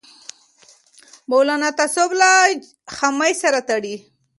مولانا تعصب له خامۍ سره تړي